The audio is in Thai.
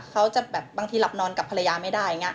เขาจะบางทีหลับนอนกับภรรยาไม่ได้